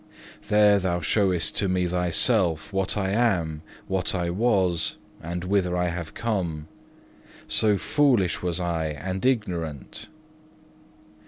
There Thou showest to me myself, what I am, what I was, and whither I have come: so foolish was I and ignorant.